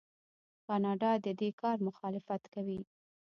کاناډا د دې کار مخالفت کوي.